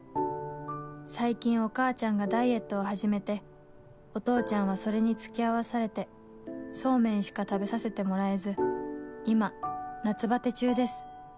「最近お母ちゃんがダイエットを始めてお父ちゃんはそれに付き合わされてそうめんしか食べさせてもらえず今夏バテ中です」